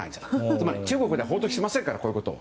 つまり中国では報道しませんからこういうこと。